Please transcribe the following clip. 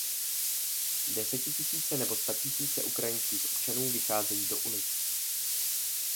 Desetitisíce nebo statisíce ukrajinských občanů vycházejí do ulic.